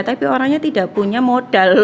tapi orangnya tidak punya modal